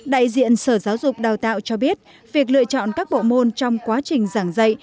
đại diện sở giáo dục đào tạo cho biết việc lựa chọn các bộ môn trong quá trình giảng dạy